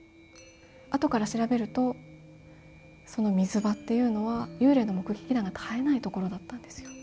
後から調べると、その水場っていうのは幽霊の目撃談が絶えないところだったんですよ。